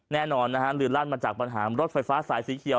แน่นอนนะฮะลืนลั่นมาจากปัญหารถไฟฟ้าสายสีเขียว